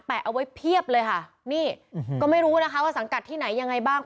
เอาไว้เพียบเลยค่ะนี่ก็ไม่รู้นะคะว่าสังกัดที่ไหนยังไงบ้าง